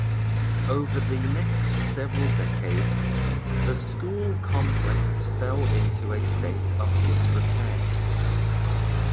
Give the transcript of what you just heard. Over the next several decades, the school complex fell into a state of disrepair.